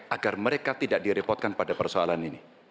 agar mereka tidak direpotkan pada persoalan ini